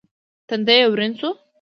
تندی يې ورين شو.